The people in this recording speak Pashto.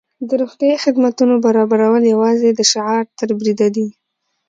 د روغتیايي خدمتونو برابرول یوازې د شعار تر بریده دي.